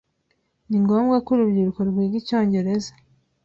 Ni ngombwa ko urubyiruko rwiga icyongereza.